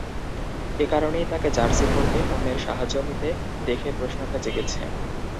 এ কারণেই তাঁকে জার্সি পরতে অন্যের সাহায্য নিতে দেখে প্রশ্নটা জেগেছে।